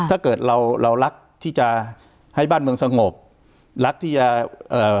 ถ้าเกิดเราตั้งให้บ้านเมืองสงบลักษณ์ที่จะเอ่อ